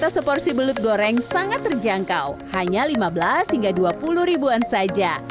seporsi belut goreng sangat terjangkau hanya lima belas hingga dua puluh ribuan saja